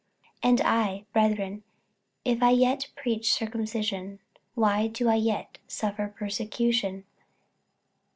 48:005:011 And I, brethren, if I yet preach circumcision, why do I yet suffer persecution?